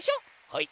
はい！